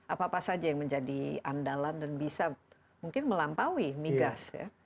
apa apa saja yang menjadi andalan dan bisa mungkin melampaui migas ya